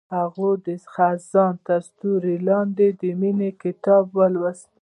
هغې د خزان تر سیوري لاندې د مینې کتاب ولوست.